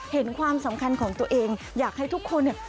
เห็นความสำคัญของตัวเองอยากให้ทุกคนเนี่ย